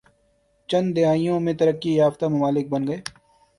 چند دہائیوں میں ترقی یافتہ ممالک بن گئے